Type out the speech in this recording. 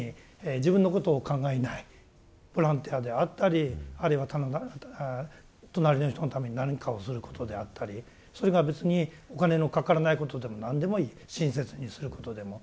ボランティアであったりあるいは隣の人のために何かをすることであったりそれが別にお金のかからないことでも何でもいい親切にすることでも。